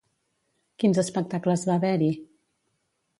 Quins espectacles va haver-hi?